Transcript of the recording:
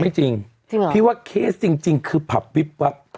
ไม่จริงพี่ว่าเคสจริงคือผับวิบวับ